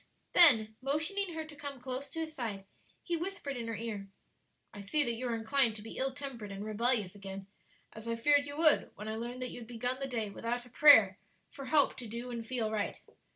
Then motioning her to come close to his side, he whispered in her ear, "I see that you are inclined to be ill tempered and rebellious again, as I feared you would, when I learned that you had begun the day without a prayer for help to do and feel right.